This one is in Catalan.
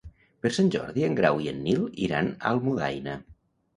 Per Sant Jordi en Grau i en Nil iran a Almudaina.